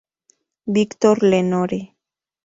Víctor Lenore.